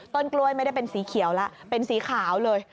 กล้วยไม่ได้เป็นสีเขียวแล้วเป็นสีขาวเลย